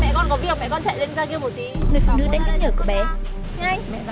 mẹ con có việc mẹ con chạy lên ra kia một tí